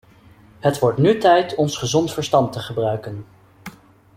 Het wordt nu tijd ons gezond verstand te gebruiken.